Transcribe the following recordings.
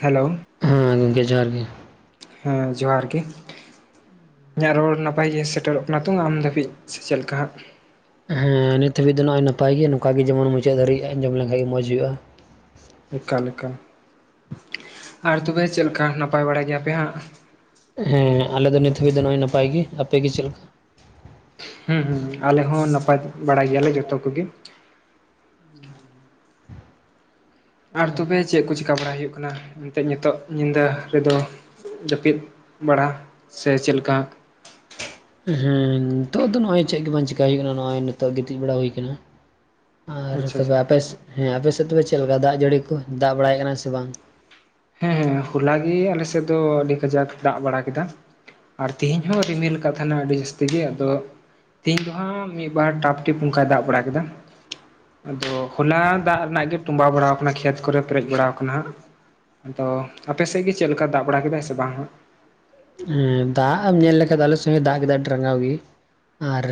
Hello. ᱦᱮᱸ ᱜᱚᱝᱠᱮ ᱡᱚᱦᱟᱨ ᱜᱮ᱾ ᱦᱮᱸ ᱡᱚᱦᱟᱨ ᱜᱮ᱾ ᱤᱧᱟᱹᱜ ᱨᱚᱲ ᱱᱟᱯᱟᱭ ᱜᱮ ᱥᱮᱴᱮᱨᱚᱜ ᱠᱟᱱᱟ ᱛᱚ ᱟᱢ ᱫᱷᱟᱹᱵᱤᱡ ᱥᱮ ᱪᱮᱞ ᱠᱟ ᱦᱟᱸᱜ᱾ ᱦᱮᱸ ᱱᱤᱛ ᱦᱟᱹᱵᱤᱡ ᱫᱚ ᱱᱚᱜᱼᱭ ᱱᱟᱯᱟᱭ ᱜᱮ ᱱᱚᱝᱠᱟ ᱜᱮ ᱡᱮᱢᱚᱱ ᱢᱩᱪᱟᱹᱫ ᱫᱷᱟᱨᱤᱡ ᱟᱡᱚᱢ ᱞᱮᱱᱠᱷᱟᱱ ᱜᱮ ᱢᱚᱡ ᱦᱩᱭᱩᱜᱼᱟ᱾ ᱚᱠᱟ ᱞᱮᱠᱟ ᱟᱨ ᱛᱚᱵᱮ ᱪᱮᱞ ᱠᱟ ᱱᱟᱯᱟᱭ ᱵᱟᱲᱟ ᱜᱮᱭᱟ ᱯᱮ ᱦᱟᱸᱜ? ᱦᱮᱸ ᱟᱞᱮ ᱫᱚ ᱱᱤᱛ ᱦᱟᱹᱵᱤᱡ ᱫᱚ ᱱᱚᱜᱼᱚᱭ ᱱᱟᱯᱟᱭ ᱜᱮ ᱟᱯᱮᱜ ᱜᱮ ᱪᱮᱞ ᱞᱮᱠᱟ ᱦᱩᱸ ᱦᱩᱸ ᱟᱞᱮ ᱦᱚᱸ ᱱᱟᱯᱟᱭ ᱵᱟᱲᱟ ᱜᱮᱭᱟᱞᱮ ᱡᱚᱛᱚ ᱠᱚᱜᱮ᱾ ᱟᱨ ᱞᱮᱠᱟ ᱛᱚᱵᱮ ᱪᱮ ᱠᱚ ᱪᱤᱠᱟᱹ ᱵᱟᱲᱟᱟᱭ ᱦᱩᱭᱩᱜ ᱠᱟᱱᱟ ᱮᱱᱛᱮ ᱱᱤᱛᱚᱜ ᱧᱤᱫᱟᱹ ᱨᱮᱫᱚ᱾ ᱡᱟᱹᱯᱤᱫ ᱵᱟᱲᱟ ᱥᱮ ᱪᱮᱞ ᱠᱟ? ᱦᱮᱸ ᱱᱤᱛᱚᱜ ᱫᱚ ᱱᱚᱜᱚᱭ ᱪᱮᱫ ᱜᱮ ᱵᱟᱝ ᱪᱮᱤᱠᱟ ᱦᱩᱭᱩᱜ ᱠᱟᱱᱟ ᱱᱚᱜᱼᱚᱭ ᱱᱤᱛᱚᱜ ᱜᱤᱛᱤᱡ ᱵᱟᱲᱟ ᱦᱩᱭ ᱠᱟᱱᱟ᱾ ᱟᱨ ᱟᱪᱪᱷᱟ ᱛᱚᱵᱮ ᱟᱪᱪᱷᱟ ᱟᱯᱮᱥ ᱦᱮᱸ ᱟᱯᱮᱥᱮᱫ ᱛᱚᱵᱮ ᱪᱮᱞ ᱠᱟ ᱫᱟᱜ ᱡᱟᱹᱲᱤ ᱠᱚ ᱫᱟᱜ ᱵᱟᱲᱟᱭᱮ ᱠᱟᱱᱟᱭ ᱥᱮ ᱵᱟᱝ? ᱦᱮᱸ ᱦᱚᱞᱟᱜᱮ ᱟᱞᱮᱥᱮ ᱫᱚ ᱟᱹᱰᱤ ᱠᱟᱡᱟᱠ ᱫᱟᱜ ᱵᱟᱲᱟ ᱠᱮᱫᱟ᱾ ᱟᱨ ᱛᱮᱦᱤᱧ ᱦᱚᱸ ᱨᱤᱢᱤᱞ ᱟᱠᱟᱫ ᱛᱟᱦᱮᱱᱟ ᱟᱹᱰᱤ ᱡᱟᱹᱥᱛᱤ ᱜᱮ ᱟᱫᱚ ᱛᱮᱦᱤᱧ ᱫᱚ ᱦᱟᱸᱜ᱾ ᱢᱤᱫ ᱵᱟᱨ ᱴᱟᱯ ᱴᱤᱯ ᱚᱱᱠᱟᱭ ᱫᱟᱜ ᱵᱟᱲᱟ ᱠᱮᱫᱟ ᱟᱫᱚ ᱦᱚᱞᱟ ᱫᱟᱜ ᱨᱮᱱᱟᱜ ᱜᱮ᱾ ᱴᱚᱸᱢᱵᱟ ᱵᱟᱲᱟᱣ ᱟᱠᱟᱱᱟ ᱠᱷᱮᱛ ᱠᱚᱨᱮ ᱯᱮᱨᱮᱡ ᱵᱟᱲᱟᱣ ᱟᱠᱟᱱᱟ ᱦᱟᱜ ᱟᱫᱚ᱾ ᱟᱯᱮᱥᱮᱡ ᱜᱮ ᱪᱮᱞ ᱠᱟ ᱫᱟᱜ ᱵᱟᱲᱟ ᱠᱮᱫᱟ ᱥᱮ ᱵᱟᱝ ᱦᱟᱜ? ᱫᱟᱜ ᱮᱢ ᱧᱮᱞ ᱞᱮᱠᱷᱟᱭ ᱫᱚ ᱟᱞᱮ ᱥᱮᱦᱚᱭ ᱫᱟᱜ ᱜᱮᱫᱟ ᱟᱹᱰᱤ ᱨᱟᱸᱜᱟᱣ ᱜᱮ ᱟᱨ᱾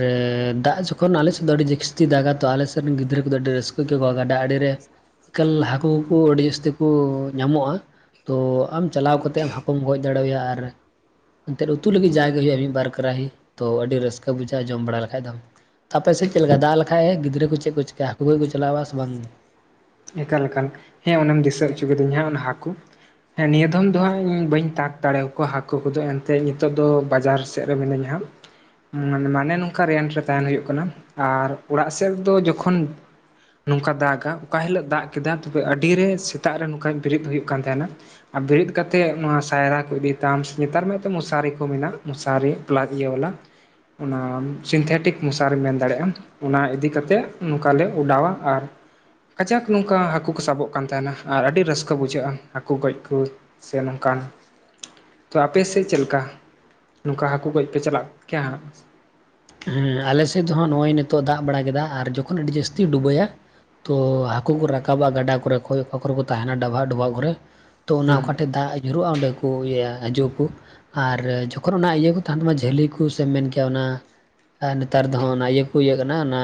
ᱫᱟᱜ ᱡᱚᱠᱷᱚᱱ ᱟᱞᱮᱥᱮᱫ ᱫᱚ ᱟᱹᱰᱤ ᱡᱟᱹᱥᱛᱤ ᱫᱟᱜᱟ ᱛᱚ ᱟᱞᱮᱥᱮᱫ ᱨᱮᱱ ᱜᱤᱫᱽᱨᱟᱹ ᱠᱚᱫᱚ ᱟᱹᱰᱤ ᱨᱟᱹᱥᱠᱟᱹ ᱜᱮ ᱜᱟᱰᱟ ᱟᱲᱮ ᱨᱮ᱾ ᱠᱟᱹᱞ ᱦᱟᱹᱠᱩ ᱠᱩᱠᱩ ᱟᱹᱰᱤ ᱡᱟᱹᱥᱛᱤ ᱠᱚ ᱧᱟᱢᱚᱜᱼᱟ᱾ ᱛᱚ ᱟᱢ ᱪᱟᱞᱟᱣ ᱠᱟᱛᱮ ᱦᱟᱠᱩᱢ ᱜᱚᱡ ᱫᱟᱲᱮᱣᱟᱭᱟ ᱟᱨ᱾ ᱮᱱᱛᱮ ᱩᱛᱩ ᱞᱟᱹᱜᱤᱫ ᱡᱟᱭᱜᱮ ᱦᱩᱭᱩᱜᱼᱟ ᱢᱤᱫᱵᱟᱨ ᱠᱟᱨᱟᱦᱤ ᱛᱚ ᱟᱹᱰᱤ ᱨᱟᱹᱥᱠᱟᱹ ᱵᱩᱡᱷᱟᱹᱜᱼᱟ ᱡᱚᱢ ᱵᱟᱲᱟ ᱞᱮᱠᱷᱟᱭ ᱫᱚᱢ᱾ ᱟᱯᱮ ᱥᱮᱡ ᱪᱮᱞᱠᱟ ᱫᱟᱜ ᱞᱮᱠᱷᱟᱭᱼᱮ ᱜᱤᱫᱽᱨᱟᱹ ᱠᱚ ᱪᱮ ᱠᱚ ᱪᱤᱠᱟᱭᱟ ᱦᱟᱹᱠᱩ ᱜᱚᱭ ᱠᱚ ᱪᱟᱞᱟᱜᱼᱟ ᱵᱟ ᱥᱮ ᱵᱟᱝ? ᱮᱠᱟᱞ ᱞᱮᱠᱟᱱ ᱦᱮᱸ ᱚᱱᱮᱢ ᱫᱤᱥᱟᱹ ᱦᱚᱪᱚ ᱠᱤᱫᱤᱧ ᱦᱟᱸᱜ ᱚᱱᱟ ᱦᱟᱹᱠᱩ᱾ ᱦᱮᱸ ᱱᱤᱭᱟᱹ ᱫᱚᱢ ᱫᱚ ᱦᱟᱸᱜ ᱤᱧ ᱵᱟᱹᱧ ᱛᱟᱸᱠ ᱫᱟᱲᱮᱭᱟᱠᱚᱣᱟ ᱦᱟᱹᱠᱩ ᱠᱚᱫᱚ ᱮᱱ ᱛᱮ ᱱᱤᱛᱚᱜ ᱫᱚ ᱵᱟᱡᱟᱨ ᱥᱮᱫ ᱨᱮ ᱢᱤᱱᱟᱹᱧ ᱦᱟᱜ ᱢᱟᱱᱮ ᱱᱚᱝᱠᱟ ᱨᱮᱨᱴ ᱨᱮ᱾ ᱛᱟᱦᱮᱱ ᱦᱩᱭᱩᱜ ᱠᱟᱱᱟ ᱟᱨ ᱚᱲᱟᱜ ᱥᱮᱫᱚ ᱡᱚᱠᱷᱚᱱ ᱱᱚᱝᱠᱟ ᱫᱟᱜᱟ᱾ ᱚᱠᱟ ᱦᱤᱞᱳᱜ ᱫᱟᱜ ᱠᱮᱫᱟ ᱛᱚᱵᱮ ᱟᱹᱰᱤᱨᱮ ᱥᱮᱛᱟᱜ ᱨᱮ ᱱᱚᱝᱠᱟ ᱵᱮᱨᱮᱫ ᱦᱩᱭᱩᱜ ᱠᱟᱱ ᱛᱟᱦᱮᱱᱟ᱾ ᱟᱨ ᱵᱮᱨᱮᱫ ᱠᱟᱛᱮ ᱱᱚᱣᱟ ᱥᱟᱭᱨᱟ ᱠᱚ ᱤᱫᱤ ᱛᱟᱢ ᱥᱮ ᱱᱮᱛᱟᱨ ᱢᱟ ᱛᱚ ᱢᱚᱥᱟᱨᱤ ᱠᱚ ᱢᱮᱱᱟᱜᱼᱟ ᱢᱚᱥᱟᱨᱤ᱾ [unintelligible] ᱤᱭᱟᱹ ᱵᱟᱞᱟ ᱚᱱᱟ ᱥᱤᱱᱛᱷᱮᱴᱤᱠ ᱢᱚᱥᱟᱨᱤ ᱢᱮᱱ ᱫᱟᱲᱮᱭᱟᱜᱼᱟ ᱚᱱᱟ ᱤᱫᱤ ᱠᱟᱛᱮ᱾ ᱱᱚᱝᱠᱟ ᱞᱮ ᱚᱰᱟᱣᱟ ᱟᱨ ᱠᱟᱡᱟᱠ ᱱᱚᱝᱠᱟ ᱦᱟᱹᱠᱩ ᱠᱚ ᱥᱟᱵᱚᱜ ᱠᱟᱱ ᱛᱟᱦᱮᱱᱟ᱾ ᱟᱨ ᱟᱹᱰᱤ ᱨᱟᱹᱥᱠᱟᱹ ᱵᱩᱡᱷᱟᱹᱜᱼᱟ ᱦᱟᱹᱠᱩ ᱜᱚᱡ ᱠᱚ ᱥᱮ ᱱᱚᱝᱠᱟᱱ᱾ ᱛᱚ ᱟᱯᱮ ᱥᱮᱡ ᱪᱮᱞ ᱠᱟ ᱱᱚᱝᱠᱟ ᱦᱟᱹᱠᱩ ᱜᱚᱡ ᱯᱮ ᱪᱟᱞᱟᱜ ᱠᱮᱭᱟ ᱦᱟᱸᱜ? ᱦᱮᱸ ᱟᱞᱮ ᱥᱮᱡ ᱫᱚ ᱦᱟᱜ ᱱᱚᱜᱼᱚᱭ ᱱᱤᱛᱚᱜ ᱫᱟᱜ ᱵᱟᱲᱟ ᱠᱮᱫᱟ ᱟᱨ ᱡᱚᱠᱷᱚᱱ ᱟᱹᱰᱤ ᱡᱟᱹᱥᱛᱤ ᱰᱩᱵᱟᱹᱭᱟ᱾ ᱛᱳ ᱦᱟᱹᱠᱩ ᱠᱚ ᱨᱟᱠᱟᱵᱟ ᱜᱟᱰᱟ ᱠᱚᱨᱮ ᱠᱷᱚᱭ ᱚᱠᱟ ᱠᱚᱨᱮ ᱠᱚ ᱛᱟᱦᱮᱱᱟ ᱰᱟᱵᱷᱟᱦᱟᱜ ᱰᱚᱵᱷᱟᱜ ᱠᱚᱨᱮ᱾ ᱛᱚ ᱚᱱᱟ ᱦᱩᱸ ᱚᱠᱟᱴᱷᱮᱡ ᱫᱟᱜ᱾ ᱧᱩᱨᱩᱜᱼᱟ ᱚᱸᱰᱮ ᱠᱚ ᱤᱭᱟᱹ ᱦᱤᱡᱩᱜ ᱟᱠᱚ ᱟᱨ ᱡᱚᱠᱷᱚᱱ ᱚᱱᱟ ᱤᱭᱟᱹ ᱠᱚ ᱛᱟᱦᱮᱱ ᱛᱟᱢᱟ ᱡᱷᱟᱹᱞᱤ᱾ ᱠᱩ ᱥᱮ ᱢᱮᱱ ᱠᱮᱭᱟ ᱚᱱᱟ᱾ ᱟᱨ ᱱᱮᱛᱟᱨ ᱫᱚ ᱦᱟ ᱚᱱᱟ ᱤᱭᱟᱹ ᱠᱚ ᱤᱭᱟᱹᱜ ᱠᱟᱱᱟ ᱚᱱᱟ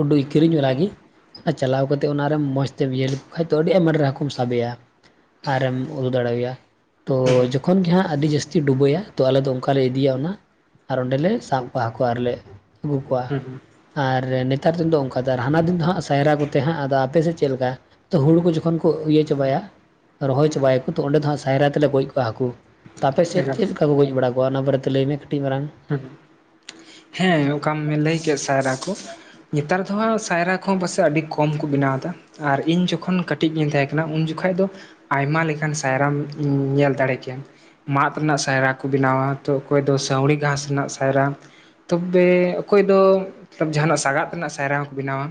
ᱩᱰᱩ ᱠᱤᱨᱤᱧ ᱵᱟᱞᱟᱜᱮ᱾ ᱟᱸ ᱪᱟᱞᱟᱣ ᱠᱟᱛᱮ ᱚᱱᱟᱨᱮ ᱢᱚᱡ ᱢ ᱤᱭᱟᱹ ᱞᱮᱠᱚ ᱠᱷᱟᱱ ᱫᱚ ᱟᱹᱰᱤ ᱟᱭᱢᱟ ᱰᱷᱮᱨ ᱦᱟᱹᱠᱩᱢ ᱥᱟᱵᱮᱭᱟ ᱟᱨᱮᱢ ᱩᱫᱩ ᱫᱟᱲᱮᱭᱟᱭᱟ ᱛᱚ ᱦᱩᱸ ᱦᱩᱸ ᱡᱚᱠᱷᱚᱱ ᱜᱮ ᱦᱟᱸᱜ ᱟᱹᱰᱤ ᱡᱟᱹᱥᱛᱤ ᱰᱩᱵᱟᱹᱭᱟ ᱛᱚ ᱟᱞᱮ ᱫᱚ ᱚᱱᱠᱟᱞᱮ ᱤᱫᱤᱭᱟ ᱚᱱᱟ ᱟᱨ ᱚᱸᱰᱮᱞᱮ ᱥᱟᱵ ᱠᱚᱣᱟ ᱦᱟᱹᱠᱩ ᱟᱨᱞᱮ ᱟᱹᱜᱩ ᱠᱚᱣᱟ ᱦᱩᱸ ᱦᱩᱸ ᱟᱨ ᱱᱮᱛᱟᱨ ᱫᱤᱱ ᱫᱚ ᱚᱱᱠᱟ ᱫᱚ ᱦᱟᱱᱟ ᱫᱤᱱ ᱫᱚ ᱦᱟᱸᱜ ᱥᱟᱭᱨᱟ ᱠᱚᱛᱮ ᱦᱟᱸᱜ ᱟᱫᱚ ᱟᱯᱮ ᱥᱮᱫ ᱪᱮᱫ ᱞᱮᱠᱟ ᱛᱚ ᱦᱩᱲᱩ ᱠᱚ ᱡᱚᱠᱷᱚᱱ ᱠᱚ ᱤᱭᱟᱹ ᱪᱟᱵᱟᱭᱟ ᱨᱚᱦᱚᱭ ᱪᱟᱵᱟᱭᱟᱠᱚ ᱛᱚ ᱚᱸᱰᱮ ᱫᱚ ᱦᱟᱸᱜ ᱥᱟᱭᱨᱟ ᱛᱮᱞᱮ ᱜᱚᱡ ᱠᱚᱣᱟ ᱦᱟᱹᱠᱩ ᱛᱚ ᱟᱯᱮᱥᱮᱫ ᱮᱠᱟᱞ ᱪᱮᱫ ᱞᱮᱠᱟ ᱠᱚ ᱜᱚᱡ ᱵᱟᱲᱟ ᱠᱚᱣᱟ ᱚᱱᱟ ᱵᱟᱨᱮᱛᱮ ᱞᱟᱹᱭᱢᱮ ᱠᱟᱹᱴᱤᱡ ᱢᱟᱨᱟᱝ ᱦᱮᱸ ᱚᱠᱟᱢ ᱞᱟᱹᱭ ᱠᱮᱫ ᱥᱟᱭᱨᱟ ᱠᱚ ᱱᱮᱛᱟᱨ ᱫᱚ ᱦᱟᱸᱜ ᱥᱟᱭᱨᱟ ᱠᱚᱦᱚᱸ ᱯᱟᱥᱮᱡ ᱟᱹᱰᱤ ᱠᱚᱢ ᱠᱚ ᱵᱮᱱᱟᱣ ᱮᱫᱟ ᱟᱨ ᱤᱧ ᱡᱚᱠᱷᱚᱱ ᱠᱟᱹᱴᱤᱡ ᱜᱤᱧ ᱛᱟᱦᱮᱸ ᱠᱟᱱᱟ ᱩᱱ ᱡᱚᱠᱷᱟᱡ ᱫᱚ ᱟᱭᱢᱟ ᱞᱮᱠᱟᱱ ᱥᱟᱭᱨᱟᱢ ᱧᱮᱞ ᱫᱟᱲᱮ ᱠᱮᱭᱟ ᱢᱟᱫ ᱨᱮᱱᱟᱜ ᱥᱟᱭᱨᱟ ᱠᱚ ᱵᱮᱱᱟᱣᱟ ᱛᱚ ᱚᱠᱚᱭ ᱫᱚ ᱥᱟᱹᱣᱲᱤ ᱜᱷᱟᱸᱥ ᱨᱮᱱᱟᱜ ᱥᱟᱭᱨᱟ ᱛᱚᱵᱮ ᱚᱠᱚᱭ ᱫᱚ ᱡᱟᱦᱟᱱᱟᱜ ᱥᱟᱸᱜᱟᱫ ᱨᱮᱱᱟᱜ ᱥᱟᱭᱨᱟ ᱦᱚᱸᱠᱚ ᱵᱮᱱᱟᱣᱟ